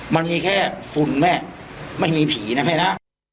มันมีแค่ฝุ่นแม่ไม่มีผีนะแม่นะ